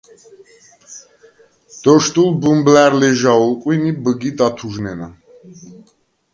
დოშდულ ბუმბლა̈რ ლეჟა ოლყვინ ი ბჷგიდ ათუჟნენა.